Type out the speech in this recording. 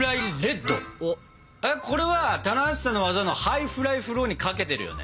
あっこれは棚橋さんの技のハイフライフローにかけてるよね？